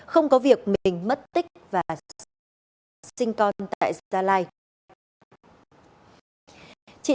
không có việc mình mất tích và sợ sinh con tại gia lai